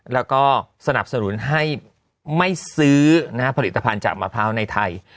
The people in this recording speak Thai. แล้วก็สนับสนุนให้ไม่ซื้อผลิตภัณฑ์จากมะพร้าวในไทย